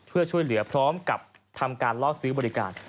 เพื่อช่วยเหลือพร้อมกับทำการล่อซื้อบริการ